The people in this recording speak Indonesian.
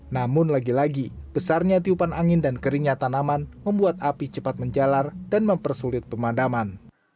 namun lagi lagi besarnya tiupan angin dan keringnya tanaman membuat api cepat menjalar dan mempersulit pemadaman